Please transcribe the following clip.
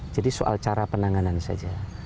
soal cara penanganan saja